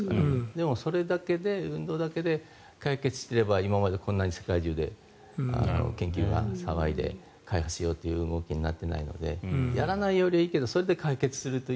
でもそれだけで運動だけで解決すれば今までこんなに世界中で研究が騒いで開発しようという動きになっていないのでやらないよりはいいけど。